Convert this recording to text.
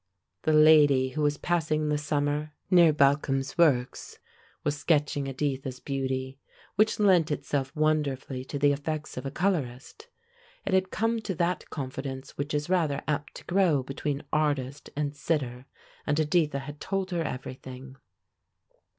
The lady who was passing the summer near Balcom's Works was sketching Editha's beauty, which lent itself wonderfully to the effects of a colorist. It had come to that confidence which is rather apt to grow between artist and sitter, and Editha had told her everything.